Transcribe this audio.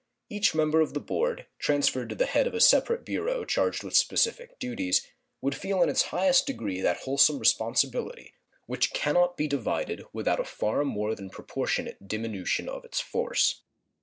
Each member of the Board, transferred to the head of a separate bureau charged with specific duties, would feel in its highest degree that wholesome responsibility which can not be divided without a far more than proportionate diminution of its force.